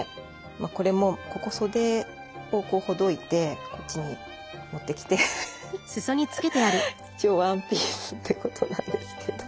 これもここ袖をほどいてこっちに持ってきて一応ワンピースってことなんですけど。